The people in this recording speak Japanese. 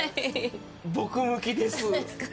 僕向きです。